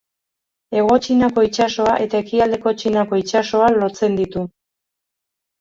Hego Txinako itsasoa eta Ekialdeko Txinako itsasoa lotzen ditu.